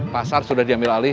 pasar sudah diambil alih